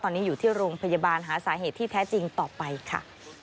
ตอนนี้อยู่ที่โรงพยาบาลหาสาเหตุที่แท้จริงต่อไปค่ะ